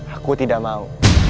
aku tidak mau